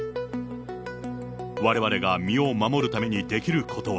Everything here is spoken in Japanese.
われわれが身を守るためにできることは。